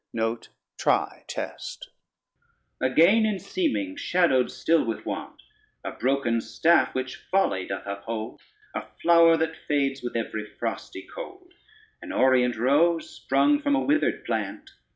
A gain in seeming, shadowed still with want, A broken staff which folly doth uphold, A flower that fades with every frosty cold, An orient rose sprung from a withered plant.